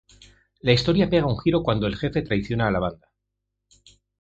La historia pega un giro cuando "el jefe" traiciona a la banda.